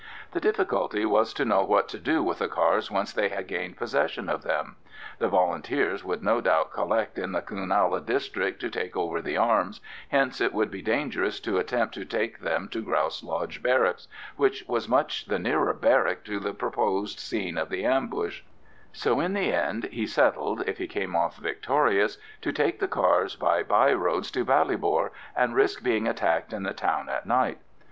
The difficulty was to know what to do with the cars once they had gained possession of them. The Volunteers would no doubt collect in the Cloonalla district to take over the arms, hence it would be dangerous to attempt to take them to Grouse Lodge Barracks, which was much the nearer barrack to the proposed scene of the ambush; so in the end he settled, if he came off victorious, to take the cars by byroads to Ballybor and risk being attacked in the town at night.